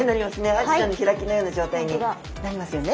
アジちゃんの開きのような状態になりますよね。